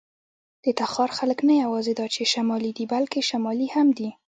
د تخار خلک نه یواځې دا چې شمالي دي، بلکې شمالي هم دي.